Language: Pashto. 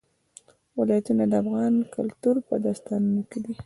ولایتونه د افغان کلتور په داستانونو کې دي.